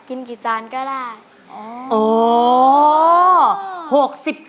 กินกี่จานก็ล่ะ